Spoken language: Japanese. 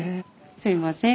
すいません。